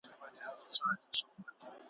د ژبي اعتبار د قوم اعتبار دی `